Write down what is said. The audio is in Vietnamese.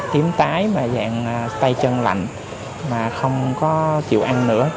tím tái mà dạng tay chân lạnh mà không có chịu ăn nữa